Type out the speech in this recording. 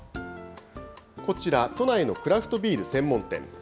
こちら、都内のクラフトビール専門店。